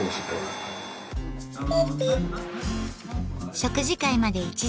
食事会まで１時間。